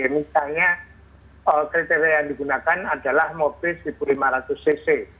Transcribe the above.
misalnya kriteria yang digunakan adalah mobil seribu lima ratus cc